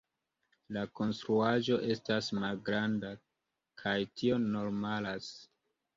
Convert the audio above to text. La konstruaĵo estas malgranda, kaj tio normalas.